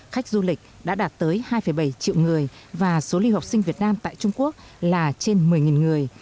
khách du lịch đã đạt tới hai bảy triệu người và số lưu học sinh việt nam tại trung quốc là trên một mươi người